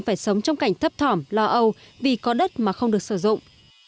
phải sống trong cảnh thấp thỏm lo âu vì có đất mà không được sử dụng